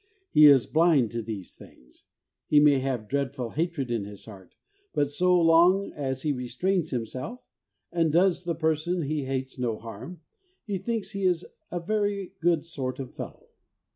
He is blind to these things. He may have dreadful hatred in his heart, but so long as he restrains himself, and does the person he hates no harm, he thinks he is a very good sort of a fellow.